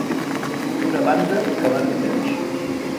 Una banda que va de biaix.